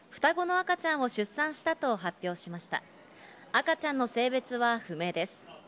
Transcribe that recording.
赤ちゃんの性別は不明です。